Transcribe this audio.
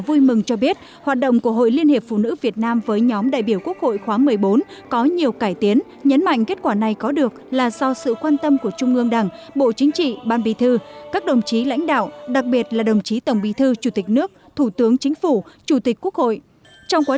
đoàn chủ tịch hội liên hiệp phụ nữ việt nam phối hợp với nhóm nữ đại biểu quốc hội khóa một mươi bốn tham dự buổi gặp mặt có thủ tịch nguyễn xuân phúc chủ tịch quốc hội nguyễn thị kim ngân